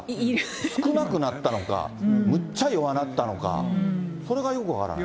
少なくなったのか、むっちゃ弱なったのか、それがよく分からない。